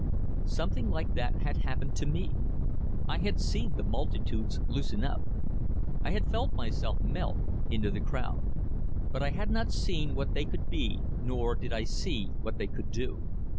Something like that happened to me. I had seen the multitudes "loosen up," I had felt myself melt into the crowd. But I had not seen what they could be nor did I see what they could do.